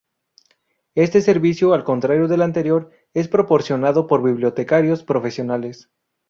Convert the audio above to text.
Este servicio al contrario del anterior es proporcionado por bibliotecarios profesionales.